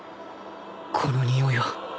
このにおいは